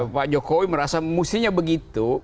pak jokowi merasa mestinya begitu